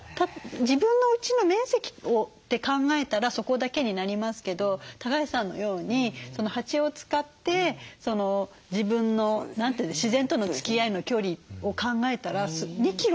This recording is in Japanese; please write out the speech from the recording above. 自分のうちの面積をって考えたらそこだけになりますけど橋さんのように蜂を使って自分の自然とのつきあいの距離を考えたら２キロもあるわけですよね。